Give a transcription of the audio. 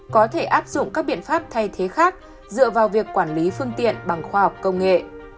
có thể áp dụng các biện pháp thay thế khác dựa vào việc quản lý phương tiện bằng khoa học công nghệ